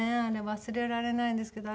忘れられないんですけど。